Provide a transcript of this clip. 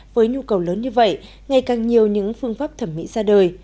với nhu cầu lớn như vậy ngày càng nhiều những phương pháp thẩm mỹ ra đời